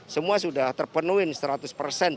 semua sudah terpenuhi seratus persen